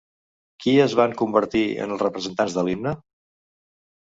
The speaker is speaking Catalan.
Qui es van convertir en els representants de l'himne?